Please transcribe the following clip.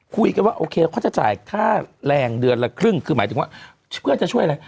คุยกันว่าโอเคเขาจะจ่ายค่าแรงเดือนละครึ่งคือหมายถึงว่าเพื่อจะช่วยอะไร